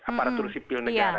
aparatur sipil negara